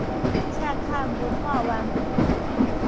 赤崁文化園區